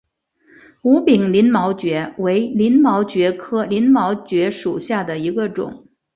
无柄鳞毛蕨为鳞毛蕨科鳞毛蕨属下的一个种。